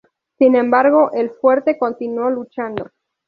Sin embargo, el fuerte continuó luchando.